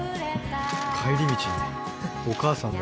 帰り道にお母さんが。